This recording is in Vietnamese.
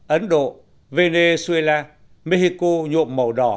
ấn độ venezuela mexico nhuộm màu đỏ